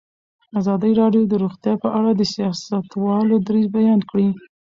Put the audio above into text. ازادي راډیو د روغتیا په اړه د سیاستوالو دریځ بیان کړی.